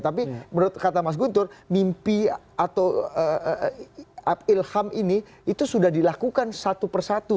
tapi menurut kata mas guntur mimpi atau ilham ini itu sudah dilakukan satu persatu